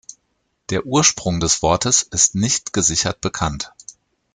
Der Ursprung des Wortes ist nicht gesichert bekannt.